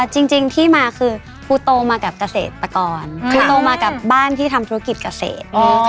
จริงที่มาคือครูโตมากับเกษตรกรครูโตมากับบ้านที่ทำธุรกิจเกษตร